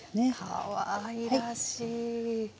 かわいらしい。